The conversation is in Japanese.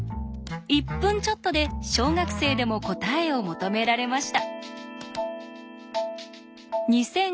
１分ちょっとで小学生でも答えを求められました。